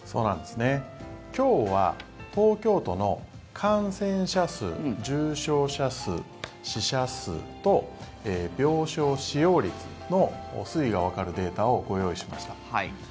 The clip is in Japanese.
今日は東京都の感染者数、重症者数、死者数と病床使用率の推移がわかるデータをご用意しました。